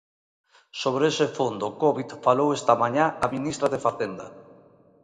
Sobre ese fondo covid falou esta mañá a ministra de Facenda.